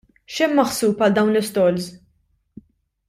X'hemm maħsub għal dawn l-istalls?